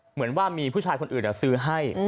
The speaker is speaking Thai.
เหมือนว่ามีผู้ชายคนอื่นซื้อให้